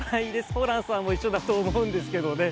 ホランさんも一緒だと思うんですけどね。